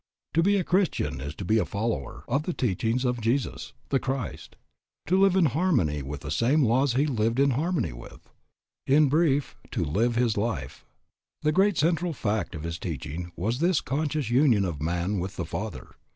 To be a Christian is to be a follower of the teachings of Jesus, the Christ; to live in harmony with the same laws he lived in harmony with: in brief, to live his life. The great central fact of his teaching was this conscious union of man with the Father.